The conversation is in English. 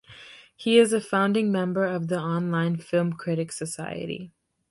He is a founding member of the Online Film Critics Society.